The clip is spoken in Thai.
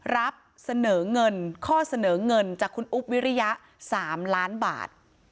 รับเสนอเงินข้อเสนอเงินจากคุณอุ๊บวิริยะ๓ล้านบาท